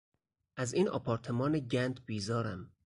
از این آپارتمان گند بیزارم.